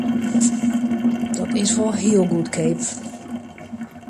Dat is wol hiel goedkeap!